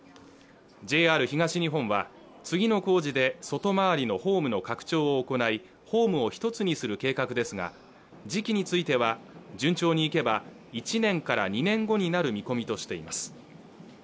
ＪＲ東日本は次の工事で外回りのホームの拡張を行いホームを１つにする計画ですが時期については順調にいけば１年から２年後になる見込みとしています